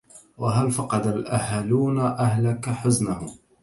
وهل فقد الأهلون أهلك حزنهم